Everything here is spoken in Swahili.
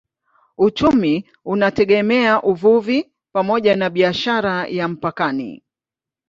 Uchumi unategemea uvuvi pamoja na biashara ya mpakani.